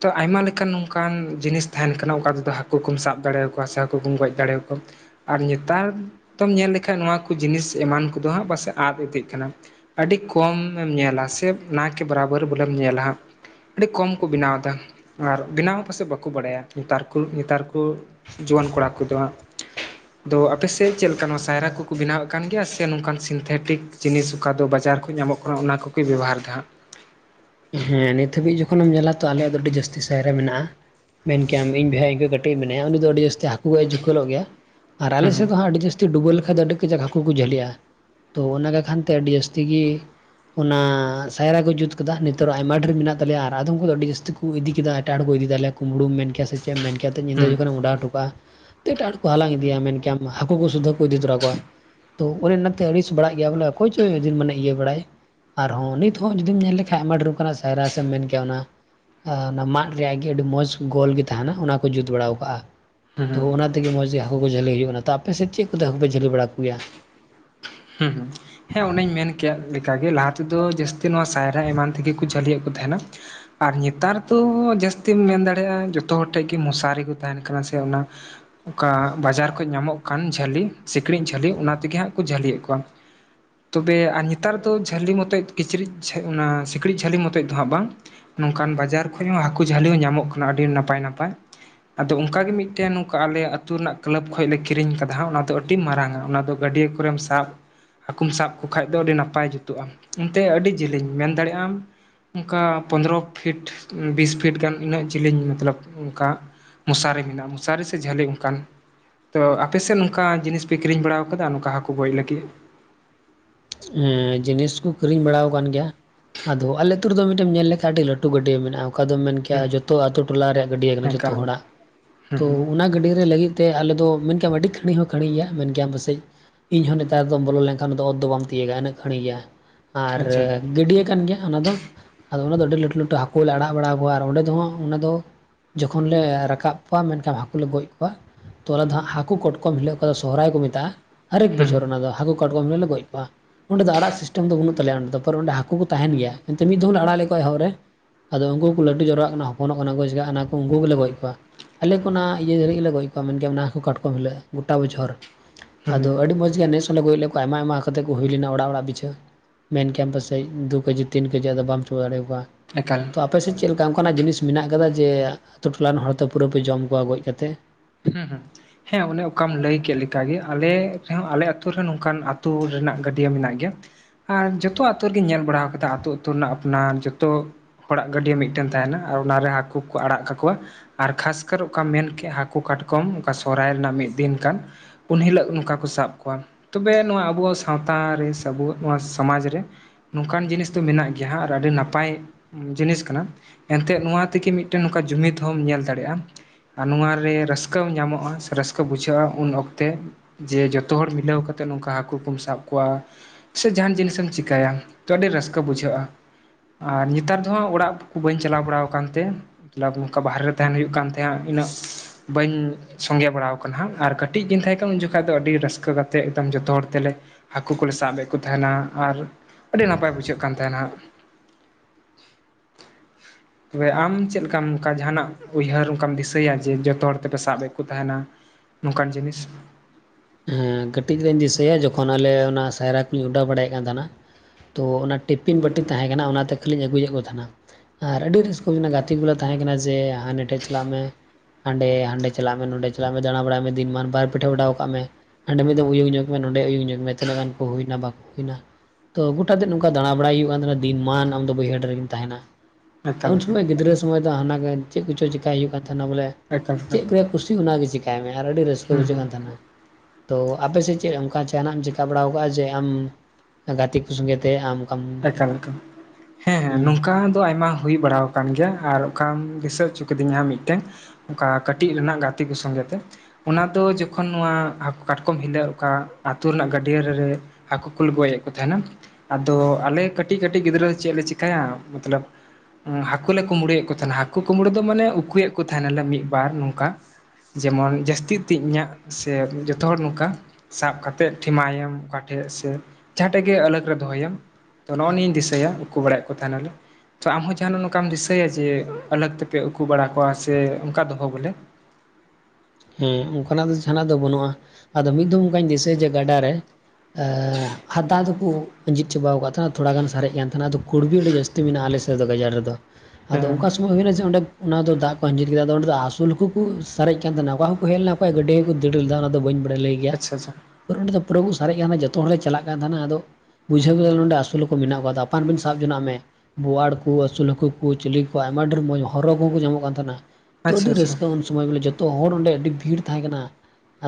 ᱛᱚ ᱟᱭᱢᱟ ᱞᱮᱠᱟᱱ ᱱᱚᱝᱠᱟᱱ ᱡᱤᱱᱤᱥ ᱛᱟᱦᱮᱱ ᱠᱟᱱᱟ ᱚᱠᱟ ᱛᱮᱫᱚ ᱦᱟᱹᱠᱩ ᱠᱚᱢ ᱥᱟᱵ ᱫᱟᱲᱮᱭᱟ ᱠᱚᱣᱟ ᱥᱮ ᱦᱟᱹᱠᱩ ᱠᱚᱢ ᱜᱚᱡ ᱫᱟᱲᱮᱭᱟ ᱠᱚᱣᱟ ᱟᱨ ᱱᱮᱸᱛᱟᱨ ᱛᱚᱢ ᱧᱮᱞ ᱞᱮᱠᱷᱟᱡ ᱱᱚᱣᱟ ᱠᱚ ᱡᱤᱱᱤᱥ ᱮᱢᱟᱱ ᱠᱚᱫᱚ ᱦᱟᱸᱜ ᱯᱟᱥᱮᱡ ᱟᱸᱫ ᱤᱫᱤᱜ ᱠᱟᱱᱟ ᱟᱹᱰᱤ ᱠᱚᱢ ᱮᱢ ᱧᱮᱞᱟ ᱥᱮ ᱱᱟ ᱠᱮ ᱵᱟᱨᱟᱵᱚᱨ ᱵᱚᱞᱮᱢ ᱧᱮᱞ-ᱟ᱾ ᱟᱹᱰᱤ ᱠᱚᱢ ᱠᱚ ᱵᱮᱱᱟᱣ ᱮᱫᱟ ᱟᱨ ᱵᱮᱱᱟᱣ ᱯᱟᱥᱮᱡ ᱵᱟᱠᱚ ᱵᱟᱲᱟᱭᱟ ᱱᱮᱛᱟᱨ ᱠᱩ ᱱᱮᱛᱟᱨ ᱠᱚ ᱡᱩᱣᱟᱹᱱ ᱠᱚᱲᱟ ᱠᱚᱫᱚ ᱦᱟᱸᱜ, ᱟᱫᱚ ᱟᱯᱮᱥᱮᱫ ᱪᱮᱫ ᱞᱮᱠᱟ ᱱᱚᱣᱟ ᱥᱟᱭᱨᱟ ᱠᱚᱠᱚ ᱵᱮᱱᱟᱣ ᱮᱫ ᱠᱟᱱ ᱜᱮᱭᱟ ᱥᱮ ᱱᱚᱝᱠᱟᱱ ᱥᱤᱱᱛᱷᱮᱴᱤᱠ ᱡᱤᱱᱤᱥ ᱚᱠᱟ ᱫᱚ ᱵᱟᱡᱟᱨ ᱠᱷᱚᱡ ᱧᱟᱢᱚᱜ ᱠᱟᱱᱟ ᱚᱱᱟ ᱠᱚᱯᱮ ᱵᱮᱣᱦᱟᱨ ᱫᱟ ᱦᱟᱸᱜ ᱦᱮᱸ ᱱᱤᱛ ᱦᱟᱹᱵᱤᱡ ᱡᱚᱠᱷᱚᱱ ᱮᱢ ᱧᱮᱞᱟ ᱛᱚ ᱟᱞᱮᱭᱟᱜ ᱫᱚ ᱟᱹᱰᱤ ᱡᱟᱹᱥᱛᱤ ᱥᱟᱭᱨᱟ ᱢᱮᱱᱟᱜᱼᱟ ᱢᱮᱱ ᱠᱮᱭᱟᱢ ᱤᱧ ᱵᱷᱟᱭ [unintelligible] ᱠᱟᱹᱴᱤᱡ ᱢᱮᱱᱟᱭᱟ ᱩᱱᱤ ᱫᱚ ᱟᱹᱰᱤ ᱡᱟᱹᱥᱛᱤ ᱦᱟᱹᱠᱩ ᱜᱚᱡ ᱮ ᱡᱩᱠᱟᱹᱞᱚᱜ ᱜᱮᱭᱟ ᱟᱨ ᱟᱞᱮ ᱦᱩᱸ ᱥᱮᱫ ᱫᱚ ᱦᱟᱸᱜ ᱟᱹᱰᱤ ᱡᱟᱹᱥᱛᱤ ᱰᱩᱵᱟᱹ ᱞᱮᱠᱷᱟ ᱫᱚ ᱟᱹᱰᱤ ᱠᱟᱡᱟᱠ ᱦᱟᱹᱠᱩ ᱠᱚ ᱡᱷᱟᱹᱞᱤᱜᱼᱟ, ᱛᱚ ᱚᱱᱟ ᱜᱮ ᱠᱷᱟᱱ ᱛᱮ ᱟᱹᱰᱤ ᱡᱟᱹᱥᱛᱤ ᱛᱮᱜᱮ ᱚᱱᱟ ᱥᱟᱭᱨᱟ ᱠᱚ ᱡᱩᱛ ᱠᱟᱫᱟ ᱱᱤᱛᱟᱨ ᱟᱭᱢᱟ ᱰᱷᱮᱨ ᱢᱮᱱᱟᱜ ᱛᱟᱞᱮᱭᱟ ᱟᱨ ᱟᱫᱚᱢ ᱠᱩᱫᱚ ᱟᱹᱰᱤ ᱡᱟᱹᱥᱛᱤ ᱠᱚ ᱠᱚ ᱤᱫᱤ ᱠᱮᱫᱟ ᱮᱴᱟᱜ ᱦᱚᱲ ᱠᱚ ᱤᱫᱤ ᱛᱟᱞᱮᱭᱟ ᱠᱩᱢᱲᱩᱢ ᱢᱮᱱ ᱠᱮᱭᱟ ᱥᱮ ᱪᱮᱫ ᱮᱢ ᱢᱮᱱ ᱠᱮᱭᱟ ᱛᱚ ᱧᱤᱫᱟᱹ ᱦᱩᱸ ᱡᱚᱠᱷᱚᱱ ᱮᱢ ᱚᱰᱟᱣ ᱦᱚᱴᱚᱠᱟᱜᱼᱟ ᱛᱚ ᱮᱴᱟᱜ ᱠᱚ ᱦᱟᱞᱟᱝ ᱤᱫᱤᱭᱟ ᱢᱮᱱᱠᱮᱭᱟᱢ ᱦᱟᱹᱠᱩ ᱠᱚ ᱥᱩᱫᱷᱟ ᱠᱚ ᱤᱫᱤ ᱛᱚᱨᱟ ᱠᱚᱣᱟ, ᱛᱚ, ᱚᱱᱮ ᱚᱱᱟᱛᱮ ᱟᱹᱲᱤᱥ ᱵᱟᱲᱟᱜ ᱜᱮᱭᱟ ᱵᱚᱞᱮ ᱚᱠᱚᱭ ᱪᱚᱭ ᱡᱮ ᱢᱟᱱᱮ ᱤᱭᱟᱹ ᱵᱟᱲᱟᱭ ᱟᱨᱦᱚᱸ ᱱᱤᱛ ᱦᱚᱸ ᱡᱩᱫᱤᱢ ᱧᱮᱞ ᱞᱮᱠᱷᱟᱡ ᱟᱭᱢᱟ ᱰᱷᱮᱨ ᱚᱱᱠᱟᱱᱟᱜ ᱥᱟᱭᱨᱟ ᱥᱮ ᱮᱢ ᱢᱮᱱ ᱠᱮᱭᱟ ᱚᱱᱟ ᱟᱻ ᱚᱱᱟ ᱢᱟᱫ ᱨᱮᱭᱟᱜ ᱜᱮ ᱟᱹᱰᱤ ᱢᱚᱸᱡᱽ ᱜᱳᱞ ᱜᱮ ᱛᱟᱸᱦᱮᱱᱟ ᱚᱱᱟ ᱠᱚ ᱡᱩᱛ ᱵᱟᱲᱟ ᱟᱠᱟᱜᱼᱟ ᱦᱩᱸ ᱾ ᱛᱚ, ᱦᱩᱸ ᱚᱱᱟ ᱛᱮᱜᱮ ᱢᱚᱸᱡᱽ ᱜᱮᱼᱼ ᱦᱟᱹᱠᱩ ᱠᱚ ᱡᱷᱟᱹᱞᱤ ᱦᱩᱭᱩᱜ ᱠᱟᱱᱟ᱾ ᱛᱚ, ᱟᱯᱮ ᱥᱮᱫ ᱪᱮᱫ ᱠᱚᱛᱮ ᱦᱟᱹᱠᱩ ᱯᱮ ᱡᱷᱟᱹᱞᱤ ᱵᱟᱲᱟ ᱠᱚ ᱜᱮᱭᱟ? ᱦᱩᱸ ᱦᱩᱸ, ᱦᱮᱸ ᱚᱱᱟᱧ ᱢᱮᱱᱠᱮᱫ ᱞᱮᱠᱟᱜᱮ ᱞᱟᱦᱟ ᱛᱮᱫᱚ ᱡᱟᱹᱥᱛᱤ ᱱᱚᱣᱟ ᱥᱟᱭᱨᱟ ᱮᱢᱟᱱᱼᱼ ᱛᱮᱜᱮ ᱠᱚ ᱡᱷᱟᱹᱞᱤᱭᱮᱫ ᱠᱚ ᱛᱟᱸᱦᱮᱱᱟ, ᱟᱨ ᱱᱮᱛᱟᱨ ᱫᱚ ᱡᱟᱹᱥᱛᱤᱢ ᱢᱮᱱ ᱫᱟᱲᱮᱭᱟᱜᱼᱟ ᱡᱷᱚᱛᱚ ᱦᱚᱲ ᱴᱷᱮᱱ ᱠᱤ ᱢᱚᱥᱟᱨᱤ ᱠᱚ ᱛᱟᱸᱦᱮᱱ ᱠᱟᱱᱟ ᱥᱮ ᱚᱱᱟ ᱚᱠᱟ ᱵᱟᱡᱟᱨ ᱠᱷᱚᱱ ᱧᱟᱢᱚᱜ ᱠᱟᱱ ᱡᱷᱟᱹᱞᱤᱼᱼ ᱥᱤᱠᱬᱤᱡ ᱡᱷᱟᱹᱞᱤ ᱚᱱᱟ ᱛᱮᱜᱮ ᱦᱟᱸᱜ ᱠᱚ ᱡᱷᱟᱹᱞᱤᱭᱮᱫ ᱠᱚᱣᱟ, ᱛᱚᱵᱮ ᱟᱨ ᱱᱮᱛᱟᱨ ᱫᱚ ᱡᱷᱟᱹᱞᱤ ᱢᱚᱛᱚᱡ ᱠᱤᱪᱨᱤᱡ ᱥᱮ ᱚᱱᱟ ᱥᱤᱠᱬᱤᱡ ᱡᱷᱟᱹᱞᱤ ᱢᱚᱛᱚᱡ ᱫᱚ ᱦᱟᱸᱜ ᱵᱟᱝ ᱱᱚᱝᱠᱟᱱ ᱵᱟᱡᱟᱨ ᱠᱷᱚᱱ ᱦᱚᱸ ᱦᱟᱹᱠᱩ ᱡᱷᱟᱹᱞᱤ ᱦᱚᱸ ᱧᱟᱢᱚᱜ ᱠᱟᱱᱟ ᱟᱹᱰᱤ ᱱᱟᱯᱟᱭ ᱱᱟᱯᱟᱭ᱾ ᱟᱫᱚ ᱚᱱᱠᱟ ᱜᱮ ᱢᱤᱫᱴᱮᱱ ᱱᱚᱝᱠᱟ ᱟᱞᱮ ᱟᱹᱛᱩ ᱨᱮᱱᱟᱜ ᱠᱞᱟᱵᱽ ᱠᱷᱚᱡ ᱞᱮ ᱠᱤᱨᱤᱧ ᱟᱠᱟᱫᱟ ᱦᱟᱸᱜ ᱚᱱᱟ ᱫᱚ ᱟᱹᱰᱤ ᱢᱟᱨᱟᱝ-ᱟ ᱚᱱᱟ ᱫᱚ ᱜᱟᱹᱰᱭᱟᱹ ᱠᱚᱨᱮᱢ ᱥᱟᱵ ᱦᱟᱹᱠᱩᱢ ᱥᱟᱵ ᱠᱚ ᱠᱷᱟᱡ ᱫᱚ ᱟᱹᱰᱤ ᱱᱟᱯᱟᱭ ᱡᱩᱛᱩᱜᱼᱟ, ᱮᱱᱛᱮ ᱟᱹᱰᱤ ᱡᱤᱞᱤᱧ ᱢᱮᱱ ᱫᱟᱲᱮᱭᱟᱜ ᱟᱢ ᱚᱱᱠᱟ ᱯᱚᱸᱫᱽᱨᱚ ᱯᱷᱤᱴ ᱵᱤᱥ ᱯᱷᱤᱴ ᱜᱟᱱ ᱤᱱᱟᱹᱜ ᱡᱤᱞᱤᱧ ᱢᱚᱛᱞᱚᱵᱽ ᱚᱱᱠᱟ ᱢᱚᱥᱟᱨᱤ ᱢᱮᱱᱟᱜᱼᱟ ᱢᱚᱥᱟᱨᱤ ᱥᱮ ᱡᱷᱟᱹᱞᱤ ᱚᱱᱠᱟᱱ ᱛᱚ ᱟᱯᱮᱥᱮᱫ ᱚᱱᱠᱟ ᱡᱤᱱᱤᱥ ᱯᱮ ᱠᱤᱨᱤᱧ ᱵᱟᱲᱟ ᱟᱠᱟᱫᱟ ᱱᱚᱝᱠᱟ ᱦᱟᱹᱠᱩ ᱜᱚᱡ ᱞᱟᱹᱜᱤᱫ? ᱦᱮᱸ, ᱡᱤᱱᱤᱥ ᱠᱚ ᱠᱤᱨᱤᱧ ᱵᱟᱲᱟ ᱟᱠᱟᱱ ᱜᱮᱭᱟ ᱟᱫᱚ ᱟᱞᱮ ᱟᱛᱹᱩ ᱨᱮᱫᱚ ᱢᱤᱫᱴᱮᱱ ᱧᱮᱞᱠᱷᱟᱱ ᱟᱹᱰᱤ ᱞᱟᱹᱴᱩ ᱜᱟᱹᱰᱭᱟ ᱢᱮᱱᱟᱜᱼᱟ, ᱚᱠᱟ ᱫᱚᱢ ᱢᱮᱱ ᱦᱩᱸ ᱠᱮᱭᱟ ᱡᱚᱛᱚ ᱟᱛᱳ ᱴᱚᱞᱟ ᱨᱮᱭᱟᱜ ᱜᱟᱹᱰᱭᱟ ᱠᱟᱱᱟ ᱡᱚᱛᱚ ᱮᱠᱟᱞ ᱦᱚᱲᱟᱜ᱾ ᱦᱩᱸ ᱛᱚ, ᱦᱩᱸ ᱚᱱᱟ ᱜᱟᱹᱰᱭᱟᱹ ᱨᱮ ᱞᱟᱹᱜᱤᱫ ᱛᱮ ᱟᱞᱮ ᱫᱚ ᱢᱮᱱ ᱠᱮᱭᱟᱢ ᱟᱹᱰᱤ ᱠᱷᱟᱺᱲᱤ ᱦᱚᱸ ᱠᱷᱟᱺᱲᱤ ᱜᱮᱭᱟ ᱢᱮᱱ ᱠᱮᱭᱟᱢ ᱯᱟᱥᱮᱡ ᱤᱧᱦᱚᱸ ᱱᱮᱛᱟᱨ ᱫᱚᱢ ᱵᱚᱞᱚ ᱞᱮᱱᱠᱷᱟᱱ ᱚᱛ ᱫᱚ ᱵᱟᱢ ᱛᱤᱭᱳᱜᱟ ᱤᱱᱟᱹᱜ ᱠᱷᱟᱺᱲᱤ ᱜᱮᱭᱟ᱾ ᱟᱨ ᱟᱪᱪᱷᱟ ᱜᱟᱹᱰᱭᱟᱹ ᱠᱟᱱ ᱜᱮᱭᱟ ᱚᱱᱟ ᱫᱚ, ᱟᱫᱚ ᱚᱱᱟ ᱫᱚ ᱟᱹᱰᱤ ᱞᱟᱹᱴᱩ ᱞᱟᱹᱴᱩ ᱦᱟᱠᱳ ᱞᱮ ᱟᱲᱟᱜ ᱵᱟᱲᱟ ᱠᱚᱣᱟ ᱟᱨ ᱚᱸᱰᱮ ᱫᱚ ᱦᱟᱸᱜ ᱚᱱᱟ ᱫᱚ ᱡᱚᱠᱷᱚᱱ ᱞᱮ ᱨᱟᱠᱟᱵ ᱠᱚᱣᱟ ᱢᱮᱱᱠᱷᱟᱱ ᱦᱟᱹᱠᱩ ᱞᱮ ᱜᱚᱡ ᱠᱚᱣᱟ, ᱛᱚ ᱟᱞᱮ ᱫᱚ ᱦᱟᱸᱜ ᱦᱟᱹᱠᱩ ᱠᱟᱴᱠᱚᱢ ᱦᱤᱞᱳᱜ ᱠᱚᱫᱚ ᱥᱚᱦᱨᱟᱭ ᱠᱚ ᱢᱮᱛᱟᱜᱼᱟ, ᱦᱟᱨᱮᱠ ᱦᱩᱸ ᱵᱚᱪᱷᱚᱨ ᱚᱱᱟ ᱫᱚ ᱦᱟᱹᱠᱩ ᱠᱟᱴᱠᱚᱢ ᱦᱤᱞᱳᱜ ᱞᱮ ᱜᱚᱡ ᱠᱚᱣᱟ᱾ ᱚᱸᱰᱮ ᱫᱚ ᱟᱲᱟᱜ ᱥᱤᱥᱴᱮᱢ ᱫᱚ ᱵᱟᱹᱱᱩᱜ ᱛᱟᱞᱮᱭᱟ ᱚᱸᱰᱮ ᱫᱚ [unintelligible] ᱚᱸᱰᱮ ᱦᱟᱹᱠᱩ ᱠᱚ ᱛᱟᱦᱮᱱ ᱜᱮᱭᱟ [unintelligible] ᱢᱤᱫ ᱫᱷᱟᱣ ᱞᱮ ᱟᱲᱟᱜ ᱞᱮᱜ ᱠᱚᱣᱟ ᱮᱦᱚᱵ ᱨᱮ ᱟᱫᱚ ᱩᱱᱠᱩ ᱠᱚ ᱞᱟᱹᱴᱩ ᱡᱟᱣᱨᱟᱜ ᱠᱟᱱᱟ ᱦᱚᱯᱚᱱᱚᱜ ᱠᱟᱱᱟ ᱠᱚ ᱪᱮᱠᱟᱜ ᱠᱟᱱᱟ ᱠᱚ ᱩᱱᱠᱩ ᱜᱮᱞᱮ ᱜᱚᱡ ᱠᱚᱣᱟ᱾ ᱟᱞᱮ ᱠᱚ ᱚᱱᱟ ᱤᱭᱟᱹ ᱫᱷᱟᱹᱨᱤᱡ ᱜᱮᱞᱮ ᱜᱚᱡ ᱠᱚᱣᱟ ᱢᱮᱱᱠᱮ ᱚᱱᱟ ᱦᱟᱹᱠᱩ ᱠᱟᱴᱠᱚᱢ ᱦᱤᱞᱳᱜ ᱜᱚᱴᱟ ᱵᱚᱪᱷᱚᱨ᱾ ᱦᱩᱸ ᱟᱫᱚ ᱟᱹᱰᱤ ᱢᱚᱸᱡᱽ ᱜᱮ ᱱᱮᱥ ᱦᱚᱞᱮ ᱜᱚᱡ ᱞᱮᱫ ᱠᱚᱣᱟ ᱟᱭᱢᱟ ᱟᱭᱢᱟ ᱠᱟᱛᱮ ᱦᱩᱭ ᱞᱮᱱᱟ ᱚᱲᱟᱜ ᱚᱲᱟᱜ ᱵᱤᱪᱷᱟᱹ ᱢᱮᱱ ᱠᱮᱭᱟᱢ ᱯᱟᱥᱮᱡ ᱫᱩ ᱠᱮᱡᱤ ᱛᱤᱱ ᱠᱮᱡᱤ ᱟᱫᱚ ᱵᱟᱢ ᱪᱟᱵᱟ ᱫᱟᱲᱮᱭᱟᱠᱚᱣᱟ᱾ ᱮᱠᱟᱞ ᱛᱚ ᱟᱯᱮᱥᱮᱫ ᱪᱮᱫ ᱞᱮᱠᱟ ᱚᱱᱠᱟᱱᱟᱜ ᱡᱤᱱᱤᱥ ᱢᱮᱱᱟᱜ ᱟᱠᱟᱫᱟ ᱡᱮ [unintelligible] ᱴᱚᱞᱟ ᱨᱮᱱ ᱦᱚᱲ ᱫᱚ ᱯᱩᱨᱟᱹ ᱯᱮ ᱡᱚᱢ ᱠᱚᱣᱟ ᱜᱚᱡ ᱠᱟ ᱠᱟᱛᱮᱫ ᱦᱩᱸ ᱦᱩᱸ ᱦᱮᱸ ᱚᱱᱮ ᱚᱠᱟᱢ ᱞᱟᱹᱭ ᱠᱮᱫ ᱞᱮ ᱚᱱᱠᱟᱜᱮ ᱟᱞᱮ ᱨᱮᱦᱚᱸ ᱟᱞᱮ ᱟᱹᱛᱩ ᱨᱮ ᱱᱚᱝᱠᱟᱱ ᱟᱹᱛᱩ ᱨᱮᱱᱟᱜ ᱜᱟᱹᱰᱭᱟᱹ ᱢᱮᱱᱟᱜ ᱜᱮᱭᱟ ᱟᱨ ᱡᱚᱛᱚ ᱟᱛᱳ ᱨᱮᱜᱮᱧ ᱧᱮᱞ ᱵᱟᱲᱟ ᱠᱟᱫᱟ ᱟᱛᱳ ᱟᱹᱛᱩ ᱨᱮᱱᱟᱜ ᱟᱯᱱᱟᱨ ᱡᱚᱛᱚ ᱦᱚᱲᱟᱜ ᱜᱟᱹᱰᱭᱟᱹ ᱢᱤᱫᱴᱮᱱ ᱛᱟᱦᱮᱱᱟ ᱟᱨ ᱚᱱᱟᱨᱮ ᱦᱟᱹᱠᱩ ᱠᱚ ᱟᱲᱟᱜ ᱠᱟᱠᱚᱣᱟ ᱟᱨ ᱠᱷᱟᱥᱠᱟᱨ ᱚᱠᱟᱢ ᱢᱮᱱ ᱠᱮᱫ ᱦᱟᱹᱠᱩ ᱠᱟᱴᱠᱚᱢ ᱚᱠᱟ ᱥᱚᱦᱨᱟᱭ ᱨᱮᱱᱟᱜ ᱢᱤᱫ ᱫᱤᱱ ᱠᱟᱱ ᱩᱱ ᱦᱤᱞᱳᱜ ᱱᱚᱝᱠᱟ ᱠᱚ ᱥᱟᱵ ᱠᱚᱣᱟ ᱛᱚᱵᱮ ᱱᱚᱣᱟ ᱟᱵᱚᱣᱟᱜ ᱥᱟᱶᱛᱟ ᱨᱮ ᱥᱮ ᱟᱵᱚᱣᱟᱜ ᱱᱚᱣᱟ ᱥᱚᱢᱟᱡᱽ ᱨᱮ ᱱᱚᱝᱠᱟᱱ ᱡᱤᱱᱤᱥ ᱫᱚ ᱢᱮᱱᱟᱜ ᱜᱮᱭᱟ ᱦᱟᱸᱜ ᱟᱨ ᱟᱹᱰᱤ ᱱᱟᱯᱟᱭ ᱡᱤᱱᱤᱥ ᱠᱟᱱᱟ ᱮᱱᱛᱮᱫ ᱱᱚᱣᱟ ᱛᱮᱜᱮ ᱢᱤᱫᱴᱮᱱ ᱱᱚᱝᱠᱟ ᱡᱩᱢᱤᱫ ᱦᱚᱢ ᱧᱮᱞ ᱫᱟᱲᱮᱭᱟᱜᱼᱟ ᱱᱚᱣᱟ ᱨᱮ ᱨᱟᱹᱥᱠᱟᱹ ᱧᱟᱢᱚᱜᱼᱟ ᱥᱮ ᱨᱟᱹᱥᱠᱟᱹ ᱵᱩᱡᱷᱟᱹᱜᱼᱟ ᱩᱱ ᱚᱠᱛᱮ ᱡᱮ ᱡᱚᱛᱚ ᱦᱚᱲ ᱢᱤᱞᱟᱹᱣ ᱠᱟᱛᱮ ᱱᱚᱝᱠᱟ ᱦᱟᱹᱠᱩ ᱦᱟᱹᱠᱩ ᱠᱚᱢ ᱥᱟᱵ ᱠᱚᱣᱟ ᱥᱮ ᱡᱟᱦᱟᱱ ᱡᱤᱱᱤᱥᱮᱢ ᱪᱤᱠᱟᱹᱭᱟ ᱛᱚ ᱟᱹᱰᱤ ᱨᱟᱹᱥᱠᱟᱹ ᱵᱩᱡᱷᱟᱹᱜᱼᱟ ᱟᱨ ᱱᱮᱛᱟᱨ ᱫᱚᱦᱟᱸᱜ ᱚᱲᱟᱜ ᱠᱚ ᱵᱟᱹᱧ ᱪᱟᱞᱟᱣ ᱵᱟᱲᱟ ᱟᱠᱟᱱ ᱛᱮ ᱱᱚᱝᱠᱟ ᱵᱟᱦᱨᱮ ᱨᱮ ᱛᱟᱦᱮᱱ ᱦᱩᱭᱩᱜ ᱠᱟᱱ ᱛᱟᱦᱮᱸᱱᱟ ᱤᱱᱟᱹᱜ ᱵᱟᱹᱧ ᱥᱚᱸᱜᱮ ᱵᱟᱲᱟ ᱟᱠᱟᱱᱟᱜ ᱟᱨ ᱠᱟᱹᱴᱤᱡ ᱫᱤᱱ ᱛᱟᱦᱮᱸ ᱠᱟᱱᱟ ᱩᱱᱚᱠᱷᱚᱱ ᱵᱟᱠᱷᱟ ᱫᱚ ᱟᱹᱰᱤ ᱨᱟᱹᱥᱠᱟᱹ ᱠᱟᱛᱮᱫ ᱮᱠᱫᱚᱢ ᱡᱚᱛᱚ ᱦᱚᱲ ᱛᱮᱞᱮ ᱦᱟᱹᱠᱩ ᱠᱚᱞᱮ ᱥᱟᱵᱮᱫ ᱠᱚ ᱛᱟᱦᱮᱱᱟ ᱟᱨ ᱟᱹᱰᱤ ᱱᱟᱯᱟᱭ ᱵᱩᱡᱷᱟᱹᱜ ᱠᱟᱱ ᱛᱟᱦᱮᱱᱟ ᱛᱚᱵᱮ ᱟᱢ ᱪᱮᱫᱞᱮᱠᱟᱢ ᱚᱱᱠᱟ ᱡᱟᱦᱟᱱᱟᱜ ᱩᱭᱦᱟᱹᱨ ᱚᱱᱠᱟᱢ ᱫᱤᱥᱟᱹᱭᱟ ᱡᱮ ᱡᱚᱛᱚ ᱦᱚᱲ ᱛᱮᱯᱮ ᱥᱟᱵᱮᱫ ᱠᱚ ᱛᱟᱦᱮᱱᱟ ᱱᱚᱝᱠᱟᱱ ᱡᱤᱱᱤᱥ ᱦᱮᱸ ᱠᱟᱹᱴᱤᱡ ᱨᱮ ᱤᱧ ᱫᱤᱥᱟᱹᱭᱟ ᱡᱚᱠᱷᱚᱱ ᱟᱞᱮ ᱚᱱᱟ ᱥᱟᱭᱨᱟ ᱠᱩᱧ ᱚᱰᱟᱨ ᱵᱟᱲᱟᱭᱮᱫ ᱠᱟᱱ ᱛᱟᱦᱮᱱᱟ ᱛᱚ ᱚᱱᱟ ᱴᱤᱯᱤᱱ ᱵᱟᱹᱴᱤ ᱛᱟᱦᱮᱸ ᱠᱟᱱᱟ ᱚᱱᱟᱛᱮ ᱠᱷᱟᱹᱞᱤᱧ ᱟᱹᱜᱩᱭᱮᱫ ᱠᱚ ᱛᱟᱦᱮᱱᱟ ᱟᱨ ᱟᱹᱰᱤ ᱨᱟᱹᱥᱠᱟᱹ ᱦᱩᱭᱱᱟ ᱜᱟᱛᱮ ᱜᱩᱞᱟ ᱛᱟᱦᱮᱸ ᱠᱟᱱᱟ ᱡᱮ ᱟᱸᱰᱮ ᱱᱟᱰᱮ ᱪᱟᱞᱟᱜ ᱢᱮ ᱦᱟᱸᱰᱮ ᱦᱟᱸᱰᱮ ᱪᱟᱞᱟᱜ ᱢᱮ ᱱᱚᱰᱮ ᱪᱟᱞᱟᱜ ᱢᱮ ᱫᱟᱬᱟ ᱵᱟᱲᱟᱭ ᱢᱮ ᱫᱤᱱ ᱢᱟᱱ ᱵᱟᱨ ᱯᱤᱴᱷᱟᱹᱣ ᱚᱰᱟᱣ ᱠᱟᱜ ᱢᱮ ᱟᱸᱰᱮ ᱢᱤᱫ ᱫᱚᱢ ᱩᱭᱩᱜ ᱧᱚᱜ ᱢᱮ ᱱᱚᱸᱰᱮ ᱩᱭᱩᱝ ᱧᱚᱜᱽ ᱢᱮ ᱛᱤᱱᱟᱹᱜ ᱜᱟᱱ ᱠᱚ ᱦᱩᱭᱱᱟ ᱵᱟᱠᱚ ᱦᱩᱭᱱᱟ ᱛᱚ ᱜᱚᱴᱟ ᱫᱤᱱ ᱱᱚᱝᱠᱟ ᱫᱟᱬᱟ ᱵᱟᱲᱟᱭ ᱦᱩᱭᱩᱜ ᱠᱟᱱ ᱛᱟᱦᱮᱱᱟ ᱫᱤᱱ ᱢᱟᱱ ᱟᱢ ᱫᱚ ᱵᱟᱹᱭᱦᱟᱹᱲ ᱨᱮᱜᱮ ᱛᱟᱦᱮᱱᱟ ᱮᱠᱟᱞ ᱩᱱ ᱮᱠᱟᱞ ᱥᱚᱢᱚᱭ ᱜᱤᱫᱽᱨᱟᱹ ᱥᱚᱢᱚᱭ ᱫᱚ ᱦᱟᱱᱟ ᱪᱮᱫ ᱠᱚᱪᱚᱝ ᱪᱮᱠᱟᱹᱭ ᱦᱩᱭᱩᱜ ᱠᱟᱱ ᱛᱟᱦᱮᱱᱟ ᱵᱚᱞᱮ ᱮᱠᱟᱞ ᱮᱠᱟᱞ ᱪᱮᱫ ᱠᱚ ᱨᱮᱭᱟᱜ ᱠᱩᱥᱤᱜ ᱚᱱᱟᱜᱮ ᱪᱮᱠᱟᱹᱭ ᱢᱮ ᱟᱨ ᱟᱹᱰᱤ ᱨᱟᱹᱥᱠᱟᱹ ᱦᱩᱸ ᱵᱩᱡᱷᱟᱹᱜ ᱦᱩᱸ ᱠᱟᱱ ᱛᱟᱦᱮᱸᱱᱟ ᱛᱚ ᱟᱯᱮ ᱥᱮᱫ ᱪᱮᱫ ᱚᱱᱠᱟ ᱡᱟᱦᱟᱱᱟᱜ ᱮᱢ ᱪᱤᱠᱟ ᱵᱟᱲᱟ ᱟᱠᱟᱜᱼᱟ ᱡᱮ ᱟᱢ ᱜᱟᱛᱮ ᱠᱚ ᱥᱚᱸᱜᱮ ᱛᱮ ᱟᱢ ᱚᱱᱠᱟᱢ ᱮᱠᱟᱞᱠᱟ ᱦᱮᱸ ᱦᱩᱸ ᱱᱚᱝᱠᱟ ᱫᱚ ᱟᱭᱢᱟ ᱦᱩᱭ ᱵᱟᱲᱟ ᱟᱠᱟᱱ ᱜᱮᱭᱟ ᱟᱨ ᱚᱠᱟᱢ ᱫᱤᱥᱟ ᱦᱚᱹᱪᱚ ᱠᱤᱫᱤᱧᱟ ᱢᱤᱫᱴᱮᱱ ᱚᱱᱠᱟ ᱠᱟᱹᱴᱤᱡ ᱨᱮᱱᱟᱜ ᱜᱟᱛᱮ ᱠᱚ ᱥᱚᱸᱜᱮ ᱛᱮ ᱚᱱᱟ ᱫᱚ ᱡᱚᱠᱷᱚᱱ ᱱᱚᱣᱟ ᱦᱟᱹᱠᱩ ᱠᱟᱴᱠᱚᱢ ᱦᱤᱞᱳᱜ ᱚᱠᱟ ᱟᱛᱳ ᱨᱮᱱᱟᱜ ᱜᱟᱹᱰᱭᱟᱹ ᱨᱮ ᱦᱟᱹᱠᱩ ᱠᱚᱞᱮ ᱜᱚᱡᱮᱫ ᱠᱚ ᱛᱟᱦᱮᱱᱟ ᱟᱫᱚ ᱟᱞᱮ ᱠᱟᱹᱴᱤᱡ ᱠᱟᱹᱴᱤᱡ ᱜᱤᱫᱽᱨᱟᱹ ᱪᱮᱫ ᱞᱮ ᱪᱤᱠᱟᱹᱭᱟ ᱢᱚᱛᱞᱚᱵ ᱦᱟᱹᱠᱩᱞᱮ ᱠᱩᱢᱵᱽᱲᱩᱭᱮᱫ ᱠᱚ ᱛᱟᱦᱮᱱᱟ ᱦᱟᱹᱠᱩ ᱠᱩᱢᱵᱽᱲᱩ ᱫᱚ ᱢᱟᱱᱮ ᱩᱠᱩᱭᱮᱫ ᱠᱚ ᱛᱟᱦᱮᱱᱟᱞᱮ ᱢᱤᱫ ᱵᱟᱨ ᱱᱚᱝᱠᱟ ᱡᱮᱢᱚᱱ ᱡᱟᱹᱥᱛᱤᱛᱮ ᱤᱧᱟᱹᱜ ᱥᱮ ᱡᱚᱛᱚ ᱦᱚᱲ ᱱᱚᱝᱠᱟ ᱥᱟᱵ ᱠᱟᱛᱮᱫ ᱴᱷᱮᱢᱟᱭᱮᱢ ᱚᱠᱟᱴᱷᱮᱱ ᱥᱮ ᱡᱟᱦᱟᱸᱴᱷᱮᱜ ᱜᱮ ᱟᱞᱟᱜᱽ ᱨᱮ ᱫᱚᱦᱚᱭᱮᱢ ᱛᱚ ᱱᱚᱜᱼᱚ ᱱᱤᱭᱟᱹᱧ ᱫᱤᱥᱟᱹᱭᱟ ᱩᱠᱩ ᱵᱟᱲᱟᱭᱮᱫ ᱠᱚ ᱛᱟᱦᱮᱱᱟᱞᱮ ᱛᱚ ᱟᱢᱦᱚᱸ ᱡᱟᱦᱟᱱᱟᱜ ᱱᱚᱝᱠᱟᱢ ᱫᱤᱥᱟᱹᱭᱟ ᱡᱮ ᱟᱞᱟᱜᱽ ᱛᱮᱯᱮ ᱩᱠᱩ ᱵᱟᱲᱟ ᱠᱚᱣᱟ ᱥᱮ ᱚᱱᱠᱟ ᱫᱚᱦᱚ ᱵᱚᱞᱮ ᱦᱮᱸ ᱚᱱᱠᱟᱱᱟᱜ ᱫᱚ ᱡᱟᱦᱟᱱᱟᱜ ᱫᱚ ᱵᱟᱹᱱᱩᱜᱼᱟ ᱟᱫᱚ ᱢᱤᱫ ᱫᱷᱟᱣ ᱚᱱᱠᱟᱧ ᱫᱤᱥᱟᱹ ᱡᱮ ᱜᱟᱰᱟ ᱨᱮ ᱦᱟᱫᱟ ᱫᱚᱠᱚ ᱟᱸᱡᱤᱫ ᱪᱟᱵᱟᱣ ᱟᱠᱟᱫᱣᱟ ᱛᱷᱚᱲᱟ ᱜᱟᱱ ᱥᱟᱨᱮᱡ ᱠᱟᱱ ᱛᱟᱦᱮᱱᱟ ᱟᱫᱚ ᱠᱩᱲᱵᱤ ᱟᱹᱰᱤ ᱡᱟᱹᱥᱛᱤ ᱢᱮᱱᱟᱜᱼᱟ ᱟᱞᱮ ᱥᱮᱫ ᱫᱚ ᱜᱟᱡᱟᱲ ᱨᱮᱫᱚ ᱟᱫᱚ ᱦᱮᱸ ᱚᱱᱠᱟ ᱥᱚᱢᱚᱭ ᱦᱩᱭᱱᱟ ᱡᱮ ᱚᱸᱰᱮ ᱚᱱᱟ ᱫᱚ ᱫᱟᱜ ᱠᱚ ᱟᱸᱡᱮᱫ ᱠᱮᱫᱟ ᱟᱫᱚ ᱚᱸᱰᱮ ᱫᱚ ᱟᱥᱩᱞ ᱦᱟᱹᱠᱩ ᱥᱟᱨᱮᱡ ᱛᱟᱦᱮᱱᱟ ᱚᱠᱟ ᱦᱚᱸᱠᱚ ᱦᱮᱡ ᱞᱮᱱᱟ ᱚᱠᱚᱭ ᱜᱟᱹᱰᱤ ᱦᱚᱸᱠᱚ ᱫᱟᱹᱲ ᱞᱮᱫᱟ ᱚᱱᱟ ᱫᱚ ᱵᱟᱹᱧ ᱵᱟᱲᱟᱭ ᱞᱟᱹᱭ ᱜᱮᱭᱟ ᱟᱪᱪᱷᱟ ᱟᱪᱪᱷᱟ ᱯᱚᱸᱰᱮ ᱫᱚ ᱯᱩᱨᱟᱹ ᱠᱚ ᱥᱟᱨᱮᱡᱮᱫ ᱠᱟᱱ ᱛᱟᱦᱮᱱᱟ ᱡᱚᱛᱚ ᱦᱚᱲᱞᱮ ᱪᱟᱞᱟᱜ ᱠᱟᱱ ᱛᱟᱦᱮᱱᱟ ᱟᱫᱚ ᱵᱩᱡᱷᱟᱹᱣ ᱠᱮᱫᱟ ᱱᱚᱰᱮ ᱟᱹᱥᱩᱞ ᱦᱟᱸᱠᱩ ᱢᱮᱱᱟᱜ ᱠᱚᱣᱟ ᱛᱟᱯᱟᱱ ᱵᱤᱱ ᱥᱟᱵ ᱡᱚᱱᱟᱜ ᱢᱮ ᱵᱳᱣᱟᱲ ᱠᱚ ᱟᱹᱥᱩᱞ ᱦᱟᱹᱠᱩ ᱪᱤᱞᱤ ᱠᱚᱣᱟ ᱟᱭᱢᱟ ᱰᱷᱮᱨ ᱢᱚᱸᱡᱽ ᱦᱚᱨᱚ ᱠᱚᱦᱚᱸ ᱧᱟᱢᱚᱜ ᱠᱟᱱ ᱛᱟᱦᱮᱱᱟ ᱛᱚ ᱟᱪᱪᱷᱟ ᱟᱹᱰᱤ ᱟᱪᱪᱷᱟ ᱨᱟᱹᱥᱠᱟᱹ ᱩᱱ ᱥᱚᱢᱚᱭ ᱵᱚᱞᱮ ᱡᱚᱛᱚ ᱛᱚ ᱦᱚᱲ ᱚᱸᱰᱮ ᱟᱹᱰᱤ ᱵᱷᱤᱲ ᱛᱟᱦᱮᱸ ᱠᱟᱱᱟ